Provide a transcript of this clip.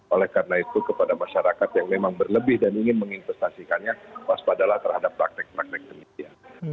oleh karena itu kepada masyarakat yang memang berlebih dan ingin menginvestasikannya waspadalah terhadap praktek praktek demikian